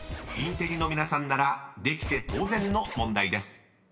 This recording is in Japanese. インテリの皆さんならできて当然の問題です］